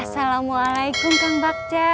assalamualaikum kang bakca